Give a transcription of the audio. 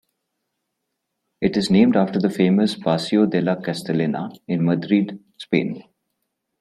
It is named after the famous "Paseo de la Castellana" in Madrid, Spain.